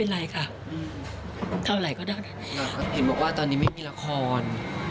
เห็นบอกว่าตอนนี้ไม่มีละคร